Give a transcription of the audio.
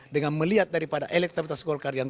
dengan melihat daripada elektabilitas golkar yang